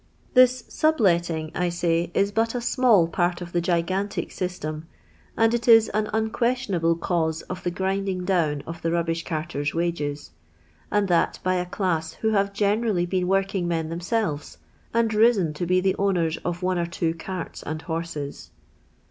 This subletting, I say, is but a small part of i gigantic system, and it is an unquestionable cause of the grinding down of the rubbish carters' wages, and that by a class who have generally I been working men themselves, and risen to be I the owners of one or two cirts and horses.